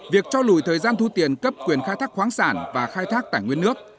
việc cho lùi thời gian thu tiền cấp quyền khai thác khoáng sản và khai thác tài nguyên nước